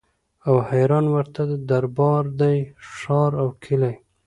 او حیران ورته دربار دی ښار او کلی